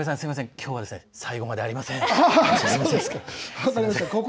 きょうは最後までありません。